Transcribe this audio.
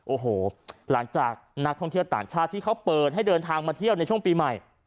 โอ้โหหลังจากนักท่องเที่ยวต่างชาติที่เขาเปิดให้เดินทางมาเที่ยวในช่วงปีใหม่